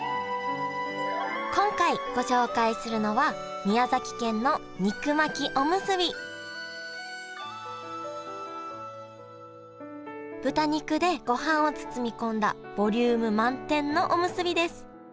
今回ご紹介するのは豚肉でごはんを包み込んだボリューム満点のおむすびです。